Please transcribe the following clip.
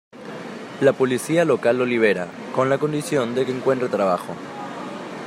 La policía local lo libera, con la condición de que encuentre trabajo.